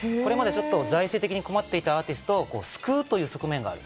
財政的に困っていたアーティストを救うという側面がある。